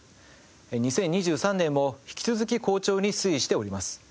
２０２３年も引き続き好調に推移しております。